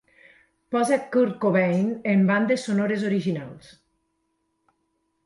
Posa Kurt Cobain en bandes sonores originals.